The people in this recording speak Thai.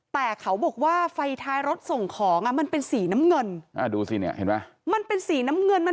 แต่เขาบอกว่าไฟท้ายรถส่งของมันเป็นสีน้ำเงิน